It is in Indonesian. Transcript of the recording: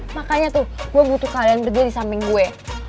makanya tuh gue butuh kalian berdua di samping gue